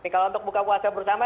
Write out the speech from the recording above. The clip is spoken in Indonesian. kalau untuk buka puasa bersama